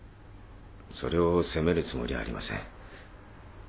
それを責めるつもりはありません。